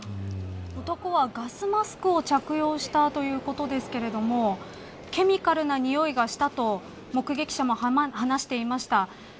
男はガスマスクを着用したということですがケミカルなにおいがしたと目撃者も話していました。